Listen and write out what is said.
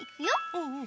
うんうん。